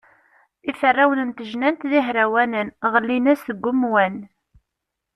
Iferrawen n tejnant d ihrawanen, ɣellin-as deg umwan.